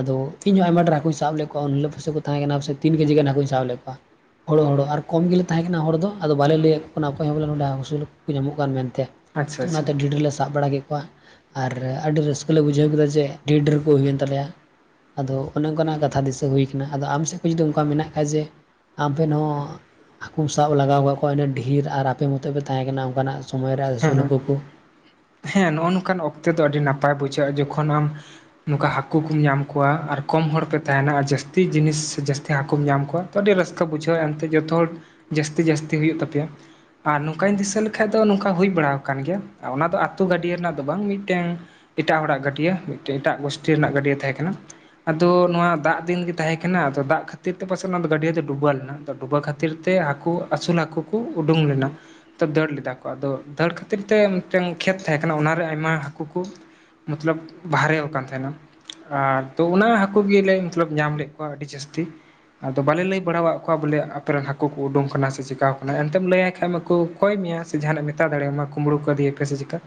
ᱟᱫᱚ ᱤᱧᱦᱚᱸ ᱟᱭᱢᱟ ᱰᱷᱮᱨ ᱦᱟᱹᱠᱩᱧ ᱥᱟᱵ ᱞᱮᱫ ᱠᱚᱣᱟ ᱩᱱᱦᱤᱞᱳᱜ ᱯᱚᱭᱥᱟ ᱠᱚ ᱛᱟᱦᱮᱸ ᱠᱟᱱᱟ ᱛᱤᱱ ᱠᱮᱡᱤ ᱜᱟᱱᱟᱹᱠᱩᱧ ᱥᱟᱵ ᱞᱮᱫ ᱠᱚᱣᱟ ᱦᱚᱲᱚ ᱦᱚᱲᱚ ᱟᱨ ᱠᱚᱢ ᱜᱮᱞᱮ ᱛᱟᱦᱮᱸ ᱠᱟᱱᱟ ᱦᱚᱲ ᱫᱚ ᱟᱫᱚ ᱵᱟᱞᱮ ᱞᱟᱹᱭ ᱟᱠᱚ ᱠᱟᱱᱟ ᱚᱠᱚᱭ ᱦᱚᱸ ᱵᱚᱞᱮ ᱱᱚᱰᱮ ᱦᱟᱸᱥᱩ ᱠᱚ ᱧᱟᱢᱚᱜ ᱠᱟᱱ ᱢᱮᱱᱛᱮ ᱟᱪᱪᱷᱟ ᱛᱚ ᱟᱪᱪᱷᱟ ᱚᱱᱟᱛᱮ ᱰᱤᱰᱮᱞ ᱞᱮ ᱥᱟᱵ ᱵᱟᱲᱟ ᱠᱮᱫ ᱠᱚᱣᱟ ᱟᱨ ᱟᱹᱰᱤ ᱨᱟᱹᱥᱠᱟᱹ ᱟᱞᱮ ᱵᱩᱡᱷᱟᱹᱣ ᱠᱮᱫᱟ ᱡᱮ ᱰᱷᱮᱨ ᱰᱷᱮᱨ ᱠᱚ ᱦᱩᱭᱮᱱ ᱛᱟᱞᱮᱭᱟ ᱟᱫᱚ ᱚᱱᱮ ᱚᱱᱠᱟᱱᱟᱜ ᱠᱟᱛᱷᱟ ᱫᱤᱥᱟᱹ ᱦᱩᱭ ᱠᱟᱱᱟ ᱟᱫᱚ ᱟᱢ ᱥᱮᱫ ᱠᱷᱚᱱ ᱡᱩᱫᱤ ᱚᱱᱠᱟ ᱢᱮᱱᱟᱜ ᱠᱷᱟᱡ ᱡᱮ ᱟᱢ ᱵᱤᱱ ᱦᱚᱸ ᱦᱟᱹᱠᱩᱢ ᱥᱟᱵ ᱞᱟᱜᱟᱣ ᱠᱫ ᱠᱚᱣᱟ ᱩᱱᱟᱹᱜ ᱰᱷᱮᱨ ᱟᱨ ᱟᱯᱮ ᱢᱚᱛᱚ ᱯᱮ ᱛᱟᱦᱮᱸ ᱠᱟᱱᱟ ᱚᱱᱠᱟᱱᱟᱜ ᱥᱚᱢᱚᱭ ᱨᱮ ᱦᱮᱸ ᱟᱹᱥᱩᱞ ᱦᱮᱸ ᱦᱟᱹᱠᱩ ᱠᱚ ᱦᱮᱸ ᱱᱚᱜ-ᱚ ᱱᱚᱝᱠᱟ ᱚᱠᱛᱮ ᱫᱚ ᱟᱹᱰᱤ ᱱᱟᱯᱟᱭ ᱵᱩᱡᱷᱟᱹᱜ-ᱟ ᱡᱚᱠᱷᱚᱱ ᱟᱢ ᱱᱚᱝᱠᱟ ᱦᱟᱸᱠᱩ ᱠᱚᱢ ᱧᱟᱢ ᱠᱚᱣᱟ ᱟᱨ ᱠᱚᱢ ᱦᱚᱲ ᱯᱮ ᱛᱟᱦᱮᱱᱟ ᱟᱨ ᱡᱟᱹᱥᱛᱤ ᱡᱤᱱᱤᱥ ᱥᱮ ᱡᱟᱹᱥᱛᱤ ᱦᱟᱹᱠᱚᱢ ᱧᱟᱢ ᱠᱚᱣᱟ ᱛᱚ ᱟᱹᱰᱤ ᱨᱟᱹᱥᱠᱟᱹ ᱵᱩᱡᱷᱟᱹᱜ-ᱟ ᱮᱱᱛᱮ ᱡᱚᱛᱚ ᱦᱚᱲ ᱡᱟᱹᱥᱛᱤ ᱡᱟᱹᱥᱛᱤ ᱦᱩᱭᱩᱜ ᱛᱟᱯᱮᱭᱟ ᱟᱨ ᱱᱚᱝᱠᱟᱧ ᱫᱤᱥᱟᱹ ᱞᱮᱠᱷᱟᱡ ᱫᱚ ᱱᱚᱝᱠᱟ ᱦᱩᱭ ᱵᱟᱲᱟ ᱟᱠᱟᱱ ᱜᱮᱭᱟ ᱚᱱᱟ ᱫᱚ, ᱟ. ᱛᱩ ᱜᱟᱰᱭᱟ. ᱨᱮᱭᱟᱜ ᱫᱚ ᱵᱟᱝ ᱢᱤᱫᱴᱮᱱ ᱮᱴᱟᱜ ᱦᱚᱲᱟᱜ ᱜᱟᱹᱰᱭᱟᱹ ᱢᱤᱫ ᱮᱴᱟᱜ ᱜᱳᱥᱴᱤ ᱨᱮᱱᱟᱜ ᱜᱟᱹᱰᱭᱟᱹ ᱛᱟᱦᱮᱸ ᱠᱟᱱᱟ ᱟᱫᱚ ᱱᱚᱶᱟ ᱫᱟᱜ ᱫᱤᱱ ᱜᱤ ᱛᱟᱦᱮᱸ ᱠᱟᱱᱟ ᱟᱫᱚ ᱫᱟᱜ ᱠᱷᱟᱹᱛᱤᱨ ᱛᱮ ᱯᱟᱥᱮᱡ ᱚᱱᱟ ᱜᱟᱹᱰᱭᱟᱹᱫᱚ ᱰᱩᱵᱟᱹ ᱞᱮᱱᱟ ᱰᱩᱵᱟᱹ ᱠᱷᱟᱹᱛᱤᱨ ᱛᱮ ᱟᱠᱚ ᱟᱹᱥᱩᱞ ᱦᱟᱹᱠᱩ ᱠᱚ ᱩᱰᱩᱝ ᱞᱮᱱᱟ ᱛᱚ ᱫᱟᱹᱲ ᱞᱮᱫᱟ ᱠᱚ ᱟᱫᱚ ᱫᱟᱹᱲ ᱠᱷᱟᱹᱛᱤᱨ ᱛᱮ ᱢᱤᱫᱴᱮᱱ ᱠᱷᱮᱛ ᱛᱟᱦᱮᱸ ᱠᱟᱱᱟ ᱚᱱᱟᱨᱮ ᱟᱭᱢᱟ ᱦᱟᱹᱠᱩ ᱠᱚ ᱢᱚᱛᱞᱚᱵ ᱵᱟᱨᱦᱮ ᱟᱠᱟᱱ ᱛᱟᱦᱮᱱᱟ ᱟᱨ ᱛᱚ ᱚᱱᱟ ᱦᱟᱹᱠᱩ ᱜᱮᱞᱮᱧ ᱢᱚᱛᱞᱚᱵ ᱧᱟᱢ ᱞᱮᱫ, ᱵᱟᱸ ᱟᱹᱰᱤ ᱡᱟᱹᱥᱛᱤ ᱟᱫᱚ ᱵᱟᱞᱮ ᱞᱟᱹᱭ ᱵᱟᱲᱟᱣᱟᱫ ᱠᱚᱣᱟ ᱵᱚᱞᱮ ᱟᱯᱮ ᱨᱮᱱ ᱦᱟᱹᱠᱩ ᱟᱠᱟ ᱠᱚ ᱩᱰᱩᱝ ᱟᱠᱟᱱᱟ? ᱥᱮ ᱪᱤᱠᱟᱣ ᱟᱠᱟᱱᱟ! ᱮᱱᱛᱮᱢ ᱞᱟᱹᱭᱟᱭ ᱠᱷᱟᱡ ᱢᱟ, ᱠᱚ ᱠᱚᱭ ᱢᱮᱭᱟ ᱥᱮ ᱡᱟᱦᱟᱱᱟᱜ ᱢᱮᱛᱟᱣ ᱫᱟᱲᱮᱭᱟᱢᱟ ᱠᱩᱢᱵᱽᱲᱩ ᱠᱟᱫᱮ ᱯᱮ ᱥᱮ ᱪᱮᱠᱟ?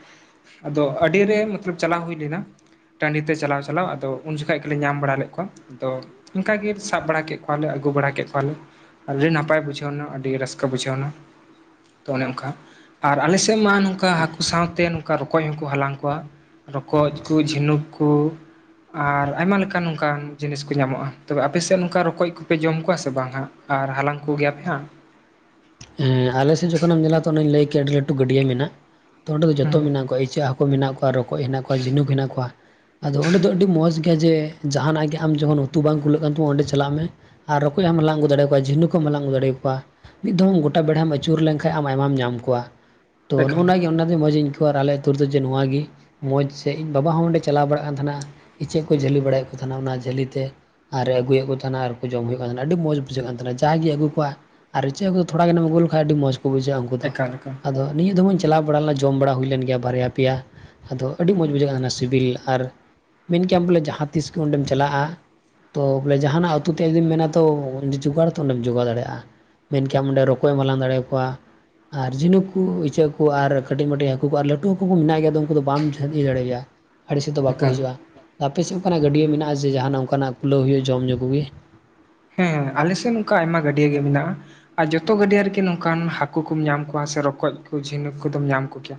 ᱟᱫᱚ ᱟᱹᱰᱤ ᱨᱮ ᱢᱚᱛᱞᱚᱵ ᱪᱟᱞᱟᱣ ᱦᱩᱭ ᱞᱮᱱᱟ, ᱴᱟᱺᱰᱤ ᱛᱮ ᱪᱟᱞᱟᱣ ᱪᱟᱞᱟᱣ ᱟᱫᱚ ᱩᱱ ᱡᱚᱠᱷᱟᱡ ᱜᱮᱞᱮ ᱧᱟᱢ ᱵᱟᱲᱟ ᱞᱮᱫ ᱠᱚᱣᱟ ᱟᱫᱚ ᱚᱱᱠᱟ ᱜᱮ ᱥᱟᱵ ᱵᱟᱲᱟ ᱠᱮᱫ ᱯᱟᱣ ᱞᱮ ᱟᱹᱜᱩ ᱵᱟᱲᱟ ᱠᱮᱫ ᱠᱚᱣᱟᱞᱮ ᱟᱹᱰᱤ ᱱᱟᱯᱟᱭ ᱵᱩᱡᱷᱟᱹᱣᱱᱟ ᱟᱹᱰᱤ ᱨᱟᱹᱥᱠᱟᱹ, ᱠᱟᱹ ᱵᱩᱡᱷᱟᱹᱣ ᱮᱱᱟ, ᱛᱚ ᱚᱱᱮ ᱚᱱᱠᱟ ᱟᱨ ᱟᱞᱮᱥᱮᱫ ᱢᱟ ᱱᱚᱝᱠᱟ ᱦᱟᱹᱠᱩ ᱥᱟᱶ ᱛᱮ ᱱᱚᱝᱠᱟ ᱨᱚᱠᱚᱡ ᱦᱚᱸᱠᱚ ᱦᱟᱞᱟᱝ ᱠᱚᱣᱟ, ᱨᱚᱠᱚᱡ ᱠᱚ ᱡᱷᱤᱱᱩᱠ ᱠᱚ, ᱟᱨ ᱟᱭᱢᱟ ᱞᱮᱠᱟᱱ ᱱᱚᱝᱠᱟᱱ ᱡᱤᱱᱤᱥ ᱠᱚ ᱧᱟᱢᱚᱜ-ᱟ᱾ ᱛᱚᱵᱮ ᱟᱯᱮᱥᱮᱫ ᱱᱚᱝᱠᱟ ᱨᱚᱠᱚᱡ ᱠᱚᱯᱮ ᱡᱚᱢ ᱠᱚᱣᱟ ᱥᱮ ᱵᱟᱝ? ᱦᱟᱸᱜ᱾ ᱟᱨ ᱦᱟᱞᱟᱝ ᱠᱚ ᱜᱮᱭᱟ ᱯᱮ ᱦᱟᱸᱜ᱾ ᱮᱸᱻ ᱟᱞᱮ ᱥᱮᱫ ᱡᱚᱠᱷᱚᱱᱮᱢ ᱧᱮᱞᱟ ᱛᱚ ᱚᱱᱮᱧ ᱞᱟᱹᱭ ᱠᱮᱫ ᱟᱹᱰᱤ ᱞᱟᱹᱴᱩ ᱜᱟᱹᱰᱭᱟᱹ ᱢᱮᱱᱟᱜ-ᱟ᱾ ᱛᱚ ᱚᱸᱰᱮ ᱫᱚ ᱡᱚᱛᱚ ᱢᱮᱱᱟᱜ ᱠᱚᱣᱟ, ᱤᱪᱟᱹᱜ ᱦᱟᱹᱠᱩ ᱢᱮᱱᱟᱜ ᱠᱚᱣᱟ, ᱨᱚᱠᱚᱡ ᱦᱮᱱᱟᱜ ᱠᱚᱣᱟ, ᱡᱷᱤᱱᱩᱠ ᱦᱮᱱᱟᱜ ᱠᱚᱣᱟ ᱾ ᱟᱫᱚ ᱚᱸᱰᱮ ᱫᱚ ᱟᱹᱰᱤ ᱢᱚᱸᱡᱽ ᱜᱮᱭᱟ, ᱡᱮ ᱡᱟᱦᱟᱱᱟᱜ ᱜᱮ ᱟᱢ ᱡᱚᱠᱷᱚᱱ ᱩᱛᱩ ᱵᱟᱝ ᱠᱩᱞᱟᱹᱜ ᱠᱟᱱ ᱛᱟᱢᱟ ᱚᱸᱰᱮ ᱪᱟᱞᱟᱜ ᱢᱮ, ᱟᱨ ᱨᱚᱠᱚᱡ ᱦᱚᱢ ᱦᱟᱸᱞᱟᱝ ᱟᱹᱜᱩ ᱫᱟᱲᱮᱭᱟᱠᱚᱣᱟ ᱡᱷᱤᱱᱩᱠ ᱦᱚᱢ ᱦᱟᱞᱟᱝ ᱟᱹᱜᱩ ᱫᱟᱲᱮᱭᱟᱠᱚᱣᱟ ᱾ ᱢᱤᱫ ᱫᱚᱢ ᱢᱮᱢ ᱜᱚᱴᱟ ᱵᱮᱲᱦᱟᱢ ᱟᱹᱪᱩᱨ ᱞᱮᱱᱠᱷᱟᱱ ᱟᱢ ᱟᱭᱢᱟᱢ ᱧᱟᱢ ᱠᱚᱣᱟ, ᱛᱚ ᱮᱠᱟᱞ ᱱᱚᱜ-ᱣᱟ ᱜᱮ ᱚᱱᱟ, ᱱᱟᱹᱜ ᱢᱚᱡᱽ ᱤᱧ ᱟᱹᱭᱠᱟᱹᱣᱟ ᱟᱨ ᱟᱞᱮ ᱟᱹᱛᱩ ᱨᱮᱫᱚ ᱡᱮ ᱱᱚᱣᱟᱜᱮ ᱢᱚᱡᱽ ᱥᱮ ᱤᱧ ᱵᱟᱵᱟ ᱦᱚᱸ ᱚᱸᱰᱮ ᱪᱟᱞᱟᱣ ᱵᱟᱲᱟᱜ ᱠᱟᱱ ᱛᱟᱦᱟᱸᱱᱟ ᱤᱪᱟᱹᱜ ᱠᱚ ᱡᱷᱟᱹᱞᱤ ᱵᱟᱲᱟᱭᱮᱫ ᱠᱚ ᱛᱟᱦᱮᱱᱟ ᱚᱱᱟ ᱡᱷᱟᱹᱞᱤ ᱛᱮ, ᱟᱨ ᱟᱹᱜᱩᱭᱮᱫ ᱠᱚ ᱛᱟᱦᱮᱱᱟ ᱟᱨ, ᱡᱚᱢ ᱦᱩᱭᱩᱜ ᱠᱟᱱ ᱛᱟᱸᱦᱮ ᱠᱟᱱᱟ, ᱟ. ᱰᱤ ᱢᱚᱸᱡᱽ ᱵᱩᱡᱷᱟᱹᱜ ᱠᱟᱱ ᱛᱟᱸᱦᱮ ᱠᱟᱱᱟ, ᱡᱟ ᱜᱮ ᱟᱹᱜᱩ ᱠᱚᱣᱟ᱾ ᱪᱮᱫ ᱠᱚ ᱛᱷᱚᱲᱟ ᱜᱟᱱᱮᱢ ᱟᱹᱜᱩ ᱞᱮᱠᱟᱱ ᱟᱹᱰᱤ ᱢᱚᱡᱽ ᱠᱚ ᱵᱩᱡᱷᱟ. ᱜᱼᱟ ᱩᱱᱠᱩᱫᱚ, ᱮᱠᱟᱞ ᱟᱫᱚ ᱱᱤᱭᱟᱹ ᱫᱚᱢᱟᱹᱧᱼᱼ ᱪᱟᱞᱟᱣ ᱵᱟᱲᱟ ᱞᱮᱱᱟ ᱡᱚᱢ ᱵᱟᱲᱟ ᱦᱩᱭ ᱞᱮᱱ ᱜᱮᱭᱟ ᱵᱟᱨᱭᱟ ᱯᱮᱭᱟ, ᱟᱫᱚ ᱟᱹᱰᱤ ᱢᱚᱡᱽ ᱵᱩᱡᱷᱟᱹᱜ ᱠᱟᱱ ᱛᱟᱦᱮᱱᱟ ᱥᱤᱵᱤᱞ ᱟᱨ ᱢᱮᱱ ᱠᱮᱭᱟᱢ ᱵᱚᱞᱮ ᱡᱟᱦᱟᱸ ᱛᱤᱥ ᱜᱮ ᱚᱸᱰᱮᱢ ᱪᱟᱞᱟᱜ-ᱟ ᱾ ᱛᱚ ᱵᱚᱞᱮ ᱡᱟᱦᱟᱱᱟᱜ ᱟᱹᱛᱩ ᱛᱮ ᱡᱩᱫᱤᱢ ᱢᱮᱱᱟ ᱛᱚ ᱡᱚᱜᱟᱲᱛᱚ ᱚᱸᱰᱮᱢ ᱡᱚᱜᱟᱲ ᱫᱟᱲᱮᱭᱟᱜ-ᱟ᱾ ᱢᱮᱱ ᱠᱮᱭᱟᱢ ᱚᱸᱰᱮ ᱨᱚᱠᱚᱡ ᱮᱢ ᱦᱟᱞᱟᱝ ᱫᱟᱲᱮ ᱭᱟᱠᱚᱣᱟ ᱾ ᱟᱨ ᱡᱷᱤᱱᱩᱠ ᱠᱠ ᱤᱪᱟᱹᱜ ᱠᱚ ᱟᱨ ᱠᱟᱹᱴᱤᱡ ᱢᱟᱹᱴᱤᱡ ᱦᱟᱹᱠᱩ ᱠᱚ ᱟᱨ ᱞᱟᱹᱴᱩ ᱦᱟᱹᱠᱩ ᱦᱚᱸ ᱢᱮᱱᱟᱜ ᱜᱮᱭᱟ ᱩᱱᱠᱩ ᱫᱚ ᱵᱟᱝ ᱡᱷᱟᱹᱞᱤ ᱫᱟᱲᱮᱭᱟᱭᱟ᱾ ᱟᱲᱮ ᱥᱮᱫ ᱫᱚ ᱵᱟᱠᱚ ᱮᱠᱟᱞ ᱦᱤᱡᱩᱜ-ᱟ, ᱟᱯᱮᱥᱮᱫ ᱚᱱᱠᱟᱱᱟᱜ ᱜᱟᱹᱰᱭᱟᱹ ᱢᱮᱱᱟᱜ-ᱟ, ᱡᱮ ᱡᱟᱦᱟᱱᱟᱜ ᱚᱱᱠᱟᱱᱟᱜ ᱠᱷᱩᱞᱟᱹᱣ ᱦᱩᱭᱩᱜᱼᱟ ᱡᱚᱢ ᱧᱩ ᱠᱚᱜᱮ, ᱦᱮᱸ ᱟᱞᱮᱥᱮᱫ ᱚᱱᱠᱟ ᱟᱭᱢᱟ ᱜᱟᱹᱰᱭᱟᱹ ᱜᱮ ᱢᱮᱱᱟᱜ-ᱟ ᱟᱨ ᱡᱚᱛᱚ ᱜᱟᱹᱰᱭᱟᱹ ᱨᱮᱜᱤ ᱱᱚᱝ ᱚᱠᱟᱱ ᱦᱟᱹᱠᱩ ᱠᱚᱢ ᱧᱟᱢ ᱠᱚᱣᱟ ᱥᱮ ᱨᱚᱠᱚᱡ ᱠᱚ ᱡᱷᱤᱱᱩᱠ ᱠᱚᱫᱚᱢ ᱧᱟᱢ ᱠᱚᱜᱮᱭᱟ᱾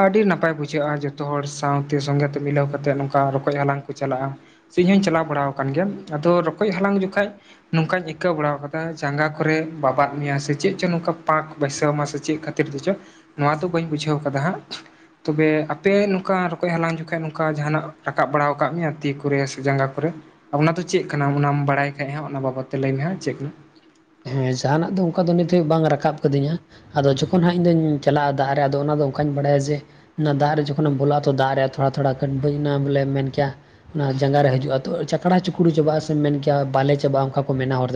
ᱟᱹᱰᱤ ᱱᱟᱯᱟᱭ ᱵᱩᱡᱷᱟᱹᱜᱼᱟ, ᱡᱚᱛᱚ ᱦᱚᱲ ᱥᱟᱶᱛᱮ, ᱥᱚᱸᱜᱮᱛᱮ ᱢᱤᱞᱟᱹᱣ ᱠᱟᱛᱮᱜ, ᱱᱚᱝᱠᱟ ᱨᱚᱠᱚᱡ ᱦᱟᱞᱟᱝ ᱠᱚ ᱪᱟᱞᱟᱜ-ᱟ᱾ ᱥᱮᱧ ᱦᱚᱧ ᱪᱟᱞᱟᱣ ᱵᱟᱲᱟ ᱟᱠᱟᱱ ᱜᱮᱭᱟ, ᱟᱫᱚ ᱨᱚᱠᱚᱡ ᱦᱟᱞᱟᱝ ᱡᱚᱠᱷᱟᱡ ᱱᱚᱝᱠᱟᱧ ᱟᱹᱭᱠᱟᱹᱣ ᱵᱟᱲᱟ ᱟᱠᱟᱫᱟ, ᱡᱟᱸᱜᱟ ᱠᱚᱨᱮ ᱵᱟᱵᱟᱫ ᱢᱮᱭᱟ ᱥᱮ ᱪᱮᱫ ᱪᱚ ᱱᱚᱝᱠᱟ ᱯᱟᱸᱠ ᱵᱟᱹᱭᱥᱟᱹᱣ ᱟᱢᱟ ᱥᱮ ᱪᱮᱫ? ᱪᱮᱫ ᱠᱚ [inaudible] ᱪᱚ ᱱᱚᱣᱟ ᱫᱚ ᱵᱟᱹᱧ ᱵᱩᱡᱷᱟᱹᱣ ᱠᱟᱫᱟ ᱦᱟᱸᱜ ᱛᱚᱵᱮ ᱟᱯᱮ ᱱᱚᱝᱠᱟ, ᱠᱚᱡ ᱦᱟᱞᱟᱝ ᱡᱚᱠᱷᱟᱱ ᱱᱚᱝᱠᱟ ᱡᱟᱦᱱᱟᱜ ᱨᱟᱠᱟᱵ ᱵᱟᱲᱟ ᱟᱠᱟᱫ ᱢᱮᱭᱟ ᱛᱤ ᱠᱚᱨᱮ ᱥᱮ ᱡᱟᱸᱜᱟ ᱠᱚᱨᱮ, ᱚᱱᱟ ᱫᱚ ᱪᱮᱫ ᱠᱟᱱᱟ? ᱚᱱᱟᱢ ᱵᱟᱲᱟᱭ ᱠᱷᱟᱡ ᱦᱟᱸᱜ ᱚᱱᱟ ᱵᱟᱵᱚᱫ ᱛᱮ ᱞᱟᱹᱭ ᱢᱮ ᱦᱟᱸ ᱪᱮᱫ? ᱦᱮᱸ ᱡᱟᱦᱟᱱᱟᱜ ᱫᱚ ᱚᱱᱠᱟ ᱫᱚ ᱱᱤᱛ ᱦᱟᱵᱤᱡ ᱵᱟᱝ ᱨᱟᱠᱟᱵ ᱠᱟᱹᱫᱤᱧᱟ ᱾ ᱟᱫᱚ ᱡᱚᱠᱷᱚᱱ ᱦᱟᱸᱜ ᱤᱧ ᱫᱚᱧ ᱪᱟᱞᱟᱜᱼᱟ ᱫᱟᱜ ᱨᱮ, ᱟᱫᱚ ᱚᱱᱟᱫᱚ ᱚᱠᱟᱧ ᱵᱟᱰᱟᱭᱟ ᱡᱮ, ᱚᱱᱟ ᱫᱟᱜ ᱨᱮ ᱡᱚᱠᱷᱚᱱ ᱵᱳᱞᱚ ᱼᱟ ᱛᱚ ᱫᱟᱜ ᱨᱮ [inaudible] ᱫᱷᱚᱲᱟ-ᱫᱷᱚᱲᱟ ᱜᱷᱟ. ᱱᱢᱟᱱ ᱵᱚᱞᱮ ᱢᱮᱱᱠᱮᱭᱟ ᱾ ᱚᱱᱟ ᱡᱟᱸᱜᱟ ᱨᱮ ᱦᱤᱡᱩᱜᱼᱟ, ᱛᱚ ᱪᱚᱠᱲᱟ ᱪᱩᱠᱲᱩ ᱪᱟᱵᱟᱼᱟ, ᱥᱮᱢ ᱢᱮᱱ ᱠᱮᱭᱟ ᱵᱟᱞᱮ ᱪᱟᱟᱜᱼᱟ, ᱚᱱᱠᱟ ᱠᱚ ᱢᱮᱱᱟ ᱦᱚᱲ ᱫᱚ᱾